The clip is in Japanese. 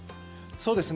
そうですね。